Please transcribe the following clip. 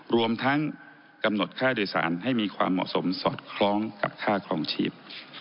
รวมทั้งกำหนดค่าโดยสารให้มีความเหมาะสมสอดคล้องกับค่าครองชีพ